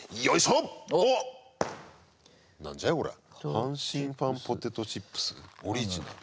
阪神ファンポテトチップスオリジナル。